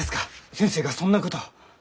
先生がそんなことを。